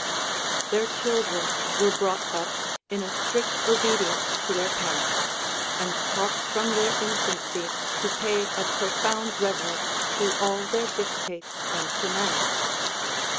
10. Their children weie brought up in a strict obedience to their parents, and taught from their infancy to pay a profound reverence to all their dictates and commands.